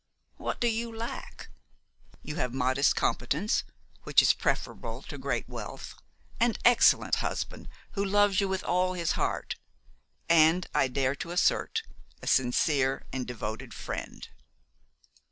What do you lack? You have modest competence, which is preferable to great wealth, an excellent husband, who loves you with all his heart, and, I dare to assert, a sincere and devoted friend."